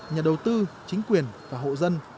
nhà đầu tư chính quyền và hộ dân